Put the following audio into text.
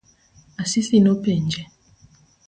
Asisi nopenje?